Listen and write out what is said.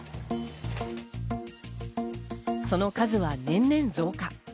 その数は年々増加。